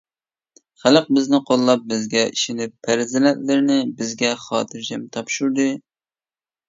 خەلق بىزنى قوللاپ، بىزگە ئىشىنىپ پەرزەنتلىرىنى بىزگە خاتىرجەم تاپشۇردى.